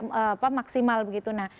nah pemungutan suara ulang adalah